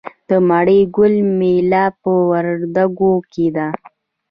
د مڼې ګل میله په وردګو کې ده.